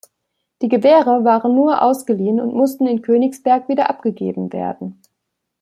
Die Gewehre waren nur ausgeliehen und mussten in Königsberg wieder abgegeben werden.